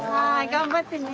頑張ってね。